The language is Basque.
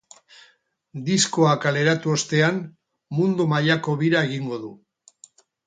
Diskoa kaleratu ostean, mundu mailako bira egingo du.